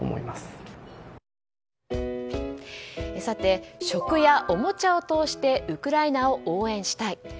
さて、食やおもちゃを通してウクライナを応援したい。